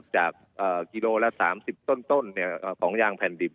กิโลละ๓๐ต้นของยางแผ่นดิบ